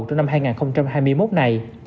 trong năm hai nghìn hai mươi một này